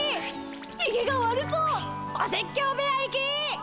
ヒゲが悪そうお説教部屋行き！